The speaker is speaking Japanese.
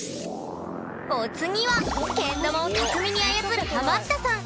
お次はけん玉を巧みに操るハマったさん